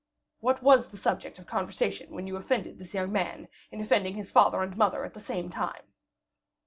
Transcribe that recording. What was the subject of conversation when you offended this young man, in offending his father and mother at the same time?"